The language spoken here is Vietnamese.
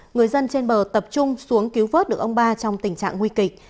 người dân trên bờ tập trung xuống cứu vớt được ông ba trong tình trạng nguy kịch